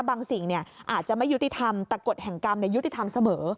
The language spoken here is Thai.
สิ่งอาจจะไม่ยุติธรรมแต่กฎแห่งกรรมยุติธรรมเสมอ